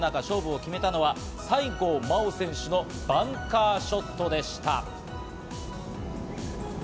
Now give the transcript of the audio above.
大混戦が続く中、勝負を決めたのは、西郷真央選手のバンカーショットでした。